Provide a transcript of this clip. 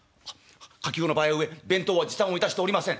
「火急の場合ゆえ弁当は持参をいたしておりません」。